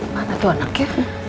mana tuh anaknya